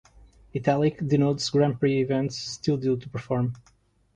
Italic denotes Grand Prix events still due to perform.